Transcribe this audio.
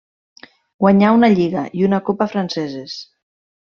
Guanyà una lliga i una copa franceses.